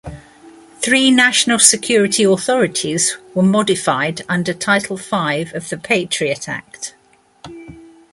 Three national security authorities were modified under title five of the Patriot Act.